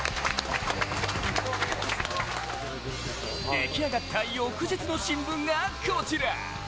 出来上がった翌日の新聞が、こちら。